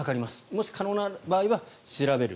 もし可能な場合は調べる。